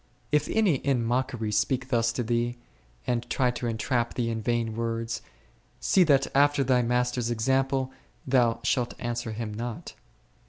If any in mockery speak thus to thee, and try to entrap thee in vain words, see that after thy Master's example thou answer him not.